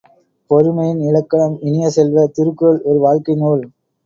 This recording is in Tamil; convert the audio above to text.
பொறுமையின் இலக்கணம் இனிய செல்வ, திருக்குறள் ஒரு வாழ்க்கை நூல்.